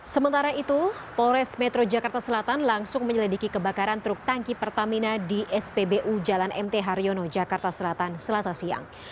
sementara itu polres metro jakarta selatan langsung menyelidiki kebakaran truk tangki pertamina di spbu jalan mt haryono jakarta selatan selasa siang